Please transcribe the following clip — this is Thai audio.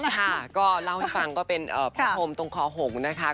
หลงคิดค่ะก็เล่าให้ฟังก็เป็นอ่าสมตัวขอห่งศ์นะคะ